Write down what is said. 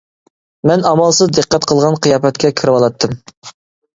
مەن ئامالسىز دىققەت قىلغان قىياپەتكە كىرىۋالاتتىم.